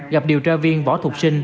gặp điều tra viên bỏ thuộc sinh